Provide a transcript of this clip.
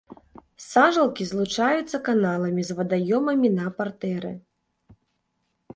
Сажалкі злучаюцца каналамі з вадаёмамі на партэры.